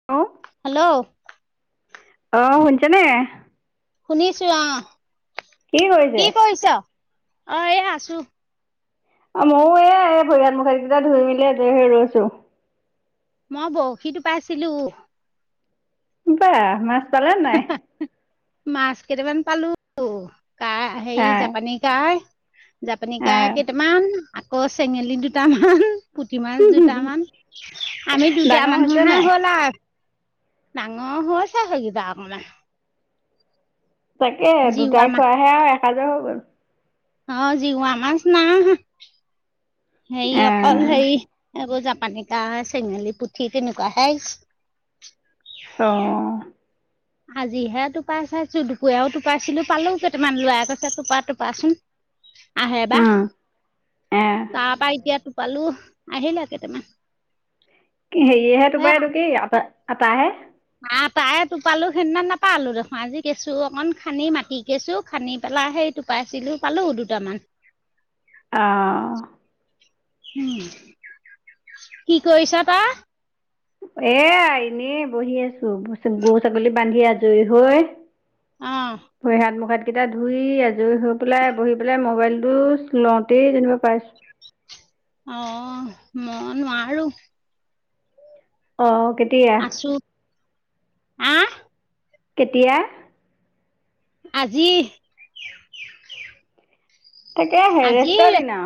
[unintelligible] Hello. অ', শুনিছা নে? শুনিছো আহ, কি কৰিছ? অ', এইয়া আছো। অ', ময়ো এ এই ভৰি, হাত মুখ [unintelligible] কেইটা ধুই মেলি আজৰি হৈ ৰৈছো। মই বৰশী তোপাইছিলো। বাহ, মাছ পালে নাই? মাছ কেইটামান পালো, কা হেৰি নাই। জাপানী কাহ। জাপানি কাই আহ কেইটামান আকৌ চেঙেলী দুটামান। পুঠি মাছ দুটামান, আমি দুটা ডাঙৰ হৈছে মানুহহে নাই? হ'ল আৰু। ডাঙৰ হৈছে, সেইকেইটা অকমান। তাকে জিওৱা দুটাই মাছ খোৱাহে আৰু এসাজৰ হৈ গ'ল। অ', জিওৱা মাছ না আহা, হেই অকল আহ হেৰি এইবোৰ জাপানী কাহ, চেঙেলী পুঠি তেনেকুৱাহে আহিছে। অ'। আজিহে টোপাই চাইছো, দুপৰীয়াও টোপাইছিলো পালো কেইটামান, ল'ৰাই কৈছে টোপা টোপাচোন। [inaudible] আহে বা। উম আহ তাৰ পৰা এতিয়া টোপালো আহিলে কেইটামান। হেৰিয়হে তোপাৰ এইটো কি, আটা আটাহে। আটায়ে টোপালো সেইদিনা নাপালো দেখোন, আজি কেঁচু অকন খান্দি, মাটি কেঁচু খান্দি পেলাই সেই টোপাইছিলো পালো দুটামান। অহ। উম, কি কৰিছ তই? এইয়া এনেই বহি আছো, গৰু ছাগলী বান্ধি আজৰি হৈ। অহ। ভৰি হাত, মুখ হাত কেইটা ধুই আজৰি হৈ পেলাই বহি পেলাই মবাইলটো লওঁ তেই যেনিবা পাইছো অহ, মই নোৱাৰো। অ'। আছো, আহ। কেতিয়া? আজি। তাকেহে, আজি ৰেষ্টৰ দিনা।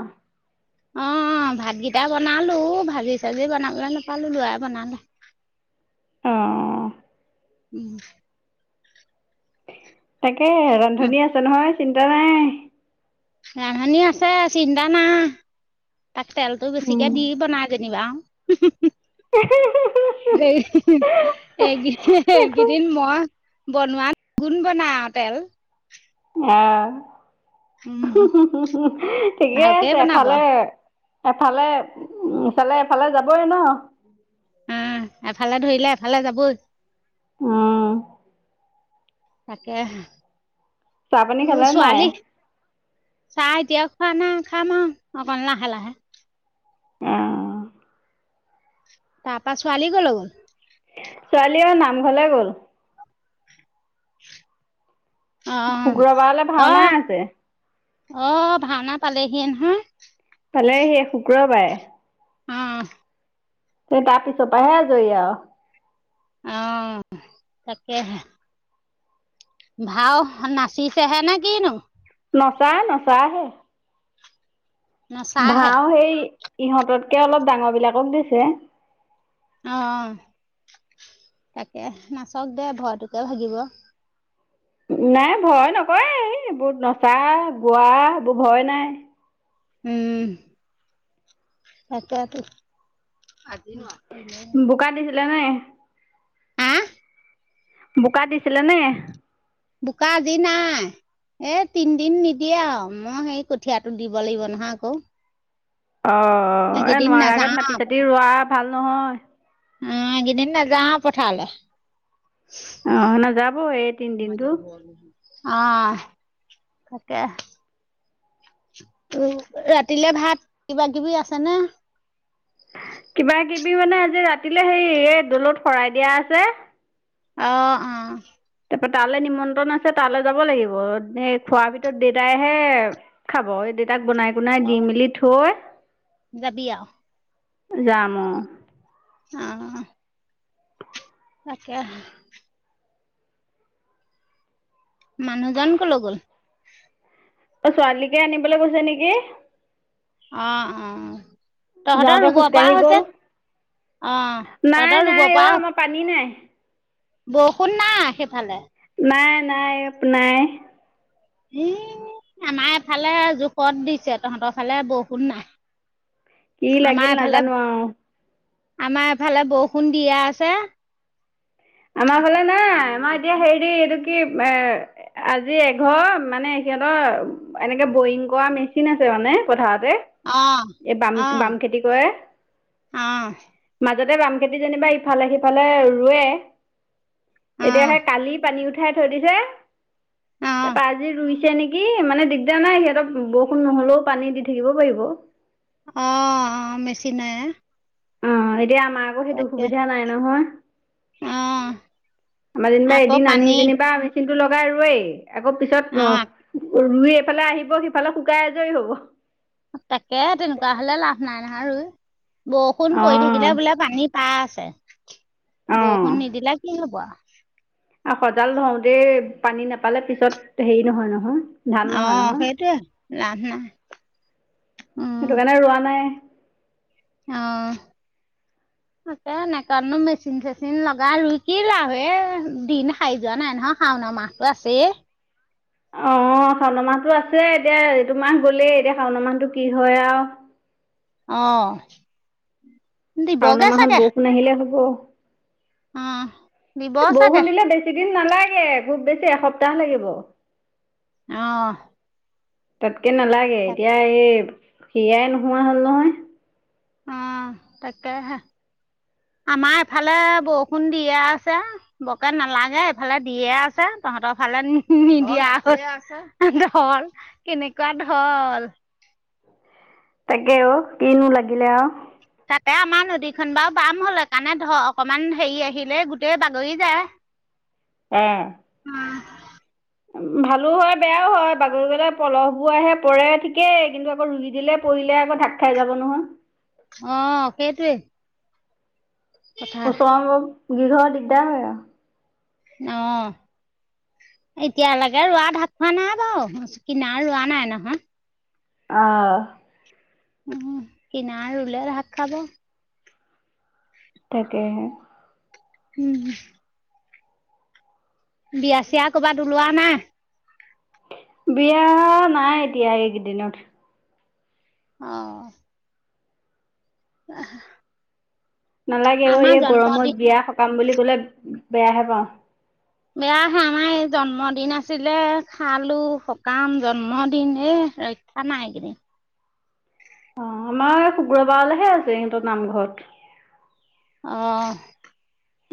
অ', ভাতকেইটা বনালোঁ, ভাজি চাজি বনাবলৈ নাপালোঁ, লৰাই বনালে। অঁ। উম। তাকেহে, ৰান্ধনী আছে নহয় চিন্তা নাই। ৰান্ধনি আছে, চিন্তা নাই। তাক তেলটো বেছিকে দি বনাই। যেনিবা আউ। উ হু হু। দেই, এই একো এইকেইদিন মই বনোৱাত দুগুণ বনাই আৰু তেল। উম আহ, উম ঠিকে ভালকে আছে বনাব এফালে এফালে এফালে এফালে যাবই ন। [inaudible] উম, এফালে ধৰিলে এফালে যাবই। উম। তাকেহে, চাহ পানী উহ খালে নাই ছোৱালী অঁ চাহ এতিয়া খোৱা নাই, খাম আৰু অকণ লাহে লাহে। উম উম। তাপা ছোৱালী কলৈ গ'ল? ছোৱালীয়ে নামঘৰলে গ'ল। অ, শুক্ৰবাৰলৈ অ ভাওনা আছে আহ ভাওনা পালেহিয়ে নহয়। পালেহিয়ে, শুক্ৰবাৰে। অ। এ তাৰ পিছৰ পৰাহে আজৰি আও। অ তাকেহে। ভাও নাচিছেহে নে কিনো? নচা নচাহে। নচাহে ভাও সেই ইহঁততকে অলপ ডাঙৰ বিলাকক দিছে। অ তাকেহ, নাচক দে ভয়টোকে ভাগিব। নাই ভয় নকৰে, এইবোৰ নচা গোৱা এইবোৰ ভয় নাই। উম তাকেটো। বোকা দিছিলে নে? আহ বোকা দিছিলে নে? বোকা আজি নাই। এ তিনদিন নিদিয়ে আৰু, মই সেই কঠীয়াটো দিব লাগিব নহয় আকৌ। অঁ অ এই এইকেইদিন নোৱাৰা আগত নাযাওঁ মাটি চাটি ৰোৱা ভাল নহয়। অ কেইদিন নাযাওঁ পথাৰলে। অ নাযাবই এই, তিনদিনটো অহ তাকে। ৰাতিলে ভাত কিবা কিবি আছে নে? কিবাকিবি মানে আজি ৰাতিলে হেৰি এই দলত শৰাই দিয়া আছে। অ অ। তাৰপৰা তালৈ নিমন্ত্ৰণ আছে তালৈ যাব লাগিব খোৱাৰ ভিতৰত দেউতাইহে। খাব এই দেতাক বনাই কুনাই দি অ' মেলি থৈ। যাবি আও। যাম অ। উম। তাকে হে। মানুহজন ক'লৈ গ'ল? অ', ছোৱালীকে আনিবলৈ গৈছে নেকি! অ', অ'। তহঁতৰ যাওঁতে ৰুব পৰা খোজকাঢ়ি গ'ল হৈছে, অ', নাই তহঁতৰ ৰুব নাই অ' পৰা আমাৰ পানী নাই। বৰষুণ নাই সেইফালে? নাই নাই আপ নাই। ই আমাৰ এফালে জোখত দিছে। তহঁতৰ ফালে বৰষূণ নাই। কি আমাৰ লাগিল এফালে, নাজানো আৰু আমাৰ এফালে বৰষুণ দিয়ে আছে। আমাৰ ফালে নাই, আমাৰ এতিয়া হেৰি এইটো কি এ আজি এঘৰ মানে সিহঁতৰ এনেকে বৰিং কৰা মেচিন আছে মানে পথাৰতে। অ', এই বাম অ'। বাম খেতি কৰে। অ', মাজতে বাম খেতি যেনিবা ইফালে সিফালে ৰুৱে। অ', এতিয়া অ', সেই কালি পানী উঠাই থৈ দিছে। অ', তাৰপা আজি ৰুইছে নেকি? মানে দিগদাৰ নাই সিহঁতক বৰষুণ নহ'লেও পানী দি থাকিব পাৰিব। অ', মেচিনে। অ', এতিয়া আমাৰ আকৌ সেইটোসুবিধা নাই নহয়। অ', আমাৰ যেনিবা আকৌ এদিন পানী আনি যেনিবা আমি মেচিনটো লগাই ৰুৱেই, আকৌ অ', পিছত ৰুই এইফালে আহিব সিফালে শুকাই আজৰি হ'ব। তাকে তেনেকুৱা হ'লে লাভ নাই নহয় ৰুই। বৰষুণ পৰি থাকিলে বোলে পানী পাই আছে। অ বৰষুণ নিদিলে কি হ'ব আও। আও সজাল ধওতেই পানী নাপালে পিছত হেৰি নহয়, নহয়। ধান নহয় অ', নহয় সেইটোয়ে লভ নাই। উম, সেইটো কাৰণে ৰোৱা নাই। অ'। [inaudible] তাকে এনেকেনো মেচিন-চেচিন লগাই ৰুই কি লাভ এই দিন শাৰী যোৱা নাই নহয় শাওনৰ মাহ টো আছেই। অ', শাওনৰ মাহটো আছে এতিয়া এইটো মাহ গ'লেই এতিয়া শাওনৰ মাহটো কি হয় আও। অ'। শাওণৰ দিবগে মাহত চাগে। বৰষুণ আহিলে হ'ব, অ', দিব এ চাগে বৰষুণ দিলে বেছি বেছি দিন নালাগে খুব বেছি এসপ্তাহ লাগিব। অ'। তাতকে নালাগে, এতিয়া এই সিয়াই নোহোৱা হ'ল নহয়। অ, তাকে হে আমাৰ এফালে বৰষুণ দিয়ে আছে। বকে নালাগে এইফালে দিয়ে আছে। তহঁতৰ ফালে নিদিয়া হ'ল। ঢল কেনেকুৱা ঢল। তাকে অ', কিনো লাগিলে আৰু। তাতে আমাৰ নদীখন বাৰু বাম হ'ল হেইকাৰণে ধ অকমান হেৰি আহিলেই গোটেই বাগৰি যায়। অ'। অ'। ভালো হয় বেয়াও হয়, বাগৰি গ'লে পলহবোৰ আহে পৰে ঠিকেই কিন্তু আকৌ ৰুই দিলে পৰিলে আকৌ ঢাক খাই যাব নহয়। অ সেইটোৱে কথা ওচৰৰ গৃহ‌ৰ দিগদাৰ হয় আৰু অ এতিয়ালৈকে ৰোৱা ভাত খোৱা নাই বাৰুচ কিনা ৰোৱা নাই নহয় অঁ উম কিনা ৰুলে আৰু ভাত খাব তাকেহে উম হু বিয়া চিয়া কবাত ওলোৱা নাই বিয়া নাই এতিয়া এইকেইদিনত অ অ নালাগে অ এই জন্মদিন গৰমত বিয়া সকাম বুলি ক'লে বেয়াহে পাওঁ বেয়া আহে আমাৰ এই জন্মদিন আছিলে খালো সকাম জন্মদিন এই ৰা খানা এইখিনি অ আমাৰ শুক্ৰবাৰলৈহে আছে সিহতৰ নামঘৰত অহ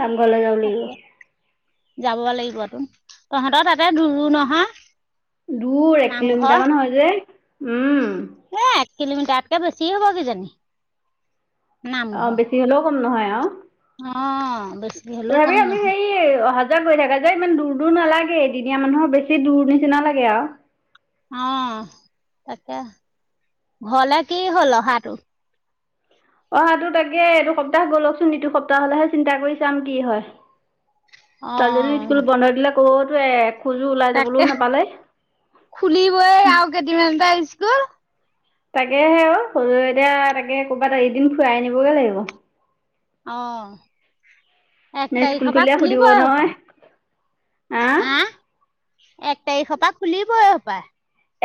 নামঘৰলৈ যাব লাগিব তাকে যাব লাগিবতো তহঁতৰ তাতে দূৰো নহয় দূৰ এক কিলোমিটাৰ নামঘৰ মান হয় যে উম এ এক কিলোমিটাৰটকে বেছি হব কিজানি অ নামঘৰ বেছি হলেও কম নহয় আৰু অ' বেছি হ'লেও তথাপি কম আমি নহয় সেই অহা যোৱা গৈ থাকে যে ইমান দূৰ দূৰ নালাগেদিনীয়া মানুহৰ বেছি দূৰ নিচিনা লাগে আৰু অ তাকে ঘৰলে কি হ'ল অহাটো অহাটো তাকে এইটো সপ্তাহ গৈ'লকচোন ইটো সপ্তাহ হলেহে চিন্তা কৰি চাম কি হয় ছোৱালীজনী স্কুল অ' বন্ধ দিলে কতো এ খোজো ওলাই তাকে যাবলৈও নাপালে খুলিবই আৰু কেইদিনমানটে স্কুল তাকেহে অ সৰু এতিয়া তাকে ক'ৰবাত এদিন ফুৰাই আনিবগে লাগিব অ এক নে স্কুল তাৰিখৰ পৰা খুলিলে সুধিব খুলিব‌ই নহয় সপায় আহ হা এক তাৰিখৰ পৰা খুলিবই সপায়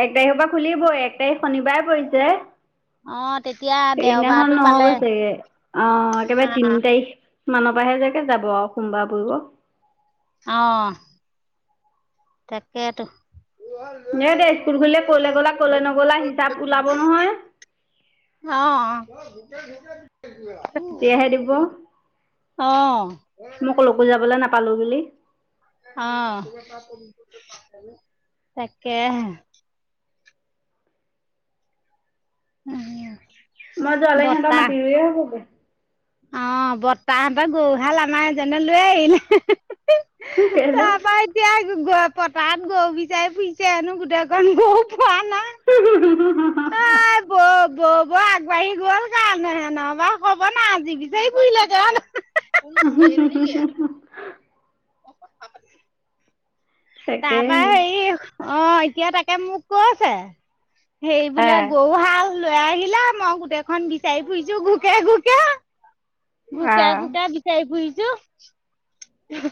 এক তাৰিখৰ পৰা খুলিবই এক তাৰিখ শনিবাৰ পৰিছে অ তেতিয়া দেওবাৰটো সেইদিনাখন নহ'ব পালে চাগে অ অ একেবাৰে তিন তাৰিখ মানপাহে চাগৈ যাব আৰু সোমবাৰ পৰিব অ তাকেতো এ দে স্কুল খুলীলে ক'লে গ'লা কলে নগলা হিচাপ ওলাব নহয় অ মোৰে মোকে দিছে কিবা এটা তেতিয়াহে দিব মই কলৈকো যাবলৈ নাপালো বুলি অ তাকেহে উহুম মই যোৱালৈকে সিহঁতৰ মাটি ৰুইৱে হব চাগে অ বত্তাহঁতৰ গৰুহাল আই এজনে লৈ আহিলে কেলে তাৰপা এতিয়া গ পথাৰত গৰু বিচাৰি ফুৰিছে হেনো গোটেইখন গৰু পোৱা নাই অই বৌ বৌ বৌ আগবাঢ়ি গ'ল কাৰণেহে নহবা ক'ব না আজি বিচাৰি ফোৰিলে উ হু হু হু হু হু অ কথা পাতি তাৰ তাকে পা হেৰি অ এতিয়া তাকে মোক কৈছে হেই বোলে হে গৰুহাল লৈ আহিলা মই গোটেইখন বিচাৰি ফুৰিছো ঘুকে ঘুকে আ ঘোকিয়াই ঘোকিয়াই বিচাৰি ফুৰিছোঁ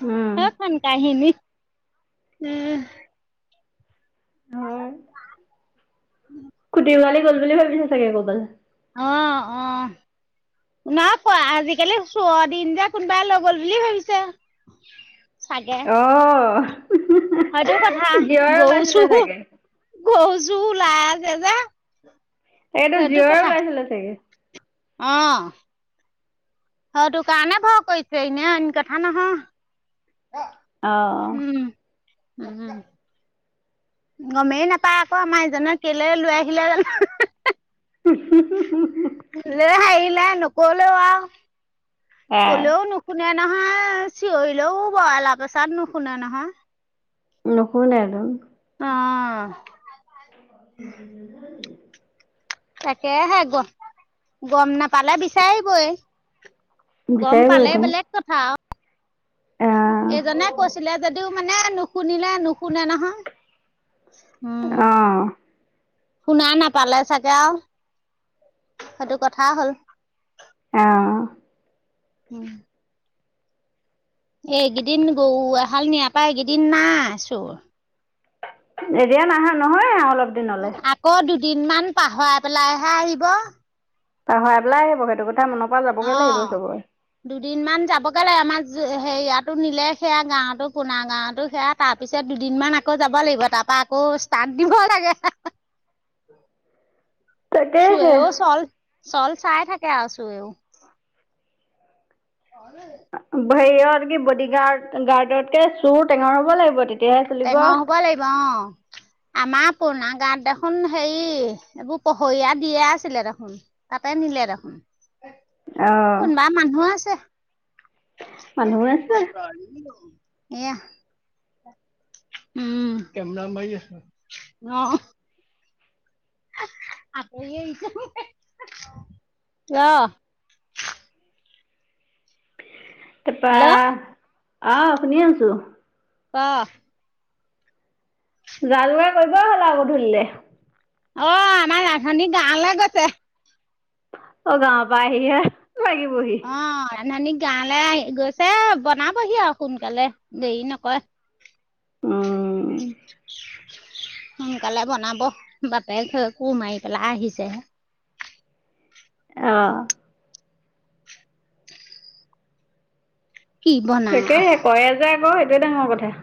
উম সেইখন কাহিনী উম হয় উম [unintelligible] গ'ল বুলি ভাবিছে চাগে ক'ৰবালে নাইপোৱা আজি-কালি চোৰৰ দিন যে কোনোবাই লৈ গ'ল বুলি ভাবিছে। [inaudible] অ হ সেইটো কথা গৰু চুৰ চাগে গৰু চুৰ ওলাই আছে যে। এইটো সেইটো জীয় কথা ওলাইছিলে চাগে। অ সেইটো কাৰণে ভয় কৰিছে এনে অইন কথা নহয়। অ উম উম গমেই নাপাই আকৌ আমাৰ এইজনে কেলে লৈ আহিলে জানো এহেহ হে হুহ হুহ লে হাঁহি ওলাই নকলেও আৰু এ কলেও নো শুনে নহয় চিঞৰিলেও বৰ এলা পেছাত নুশুনে নহয়। নুশুনেটোন অ' [unintelligible] তাকেহে গম গম নাপালে বিচাৰিবই। গম পালে বিচাৰিবইতোন বেলেগ কথা আও আহ এইজনে কৈছিলে যদিও মানে নুশুনিলে নুশুনে নহয় উ অ শুনা নাপালে চাগে আও সেইটো কথা হ'ল। এঅ উম এইকেইদিন গৰু এহাল নিয়াৰ পৰা এইকেইদিন নাই চুৰ। এতিয়া নাহা নহয় আৰু অলপ দিনলে আকৌ দুদিনমান পাহৰাই পেলাইহে আহিব। পাহৰাই পেলাই আহিব সেইটো কথা মনৰ পৰা যাবগৈ লাগিব অ চবৰে। দুদিনমান যাবগে লাগে আমাৰ হেৰিয়াতো নিলে সেয়া গাঁৱতো কোনা গাঁৱতো সেয়া তাৰ পিছত দুদিনমান আকৌ যাব লাগিব তাৰ পৰা আকৌ ষ্টাৰ্ট দিব লাগে হে হে চুৰেও তাকেহে চল চল চাই থাকে আৰু চুৰেও। [unintelligible] হেৰিয়ত কি বডি গাৰ্ড গাৰ্ডতকে চুৰ টেঙৰ হ'ব লাগিব তে টেঙৰ হ'ব লাগিব অ আমাৰ পুৰণা গাঁৱত দেখোন হেৰি এইবোৰ পহৰীয়া দিয়া আছিলে দেখোন তাতে নিলে দেখোন কোনোবা মানুহ আছে মানুহো আছে এয়া উম অ। আতৰি আহিছে ৰ তাপা হেল্ল' অঁহ শুনি আছোঁ। ক যা যোগাৰ কৰিবই হ'ল আৰু গধূলিলে। অ আমাৰ ৰান্ধনী গাঁৱলে গৈছে। অঁ গাঁৱৰ পৰা আহি হে লাগিবহি? অঁ ৰান্ধনী গাঁৱলৈ গৈছে বনাবহি আৰু সোনকালে দেৰি নকৰে। উম। সোনকালে বনাব বাপেক কোৰ মাৰি পেলাই আহিছে হে। অঁ। কি বনাই আৰু। তাকেহে কৰে যে আক সেইটোৱে ডাঙৰ কথা।